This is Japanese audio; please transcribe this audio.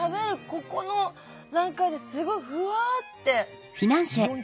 ここの段階ですごいふわって。